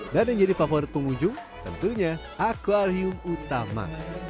dan yang jadi favorit pengunjung tentunya akwarium utama